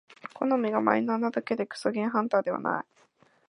好みがマイナーなだけでクソゲーハンターではない